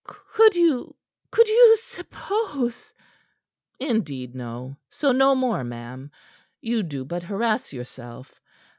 "Could you could you suppose " "Indeed, no. So no more, ma'am. You do but harass yourself.